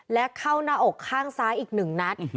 และเข้าหน้าอกข้างซ้ายอีก๑นัด